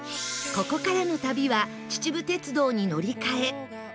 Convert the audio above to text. ここからの旅は秩父鉄道に乗り換え